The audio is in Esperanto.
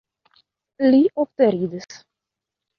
Li ofte ridas.